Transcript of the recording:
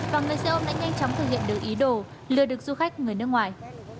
và người xe ôm đã nhanh chóng thực hiện được ý đồ lừa được du khách người nước ngoài